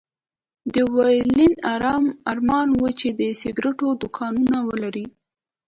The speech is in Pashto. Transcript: د ويلين ارمان و چې د سګرېټو دوکانونه ولري